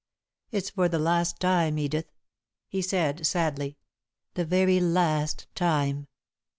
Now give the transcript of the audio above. "It's for the last time, Edith," he said, sadly; "the very last time."